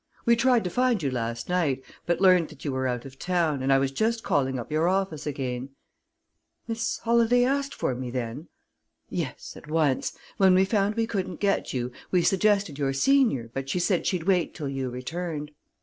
"We tried to find you last night, but learned that you were out of town, and I was just calling up your office again." "Miss Holladay asked for me, then?" "Yes, at once. When we found we couldn't get you, we suggested your senior, but she said she'd wait till you returned."